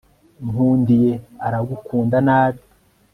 nkundiye aragukunda nabi